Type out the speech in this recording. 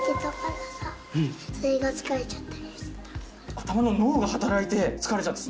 頭の脳が働いて疲れちゃった。